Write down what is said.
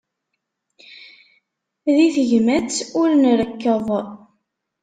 Di tegmat ur nrekkeḍ.